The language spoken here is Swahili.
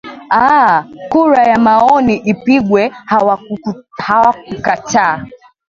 aah kura ya maoni ipigwe hawakutakaa